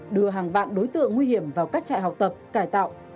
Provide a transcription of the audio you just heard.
đưa hàng vạn đối tượng nguy hiểm vào các trại học tập cải tạo